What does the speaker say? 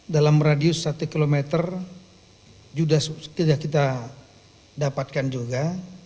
dalam radius satu km sudah kita dapatkan juga